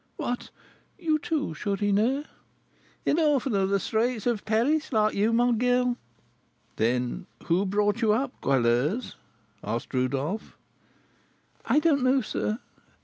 "What! you, too, Chourineur?" "An orphan of the streets of Paris like you, my girl." "Then who brought you up, Goualeuse?" asked Rodolph. "I don't know, sir.